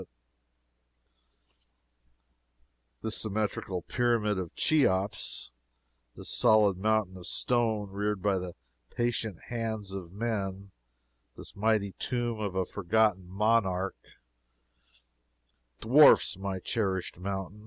This symmetrical Pyramid of Cheops this solid mountain of stone reared by the patient hands of men this mighty tomb of a forgotten monarch dwarfs my cherished mountain.